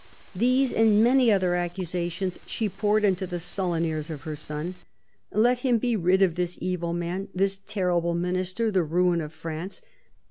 These and many more accusations she poured into the sullen ears of her son. Let him be rid of this evil man, this terrible Minister, the ruin of France